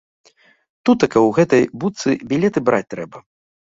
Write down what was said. Тутака ў гэтай будцы білеты браць трэба.